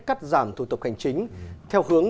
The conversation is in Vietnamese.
cắt giảm thu tập hành chính theo hướng